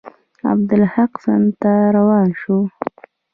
عبدالحق سند ته روان شو.